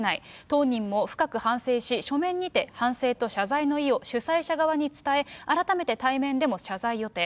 当人も深く反省し、書面にて反省と謝罪の意を主催者側に伝え、改めて対面でも謝罪予定。